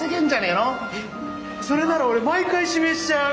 えっそれなら俺毎回指名しちゃう！